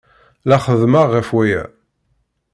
La xeddmeɣ ɣef waya.